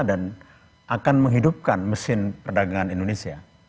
dan akan menghidupkan mesin perdagangan indonesia